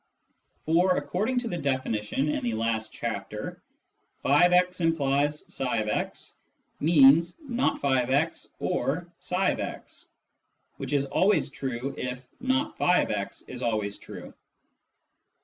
For, according to the definition in the last chapter, " <f>x implies ifix " means " aot <f>x or tfix," which is always true if not <f>x is always true.